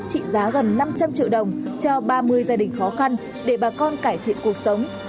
trị giá gần năm trăm linh triệu đồng cho ba mươi gia đình khó khăn để bà con cải thiện cuộc sống